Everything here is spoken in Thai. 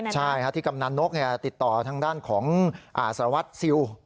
ใช่ที่กำนันนกติดต่อทางด้านของสารวัตรสิว